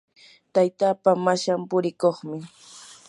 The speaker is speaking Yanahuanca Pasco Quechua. taytapaa mashan purikuqmi.